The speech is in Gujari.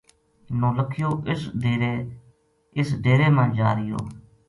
نولکھیو اس ڈیرے ما جا رہیو